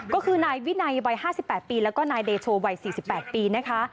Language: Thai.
ก็คือนายวินัยวัยห้าสิบแปดปีแล้วก็นายเดโชว์วัยสี่สิบแปดปีนะคะ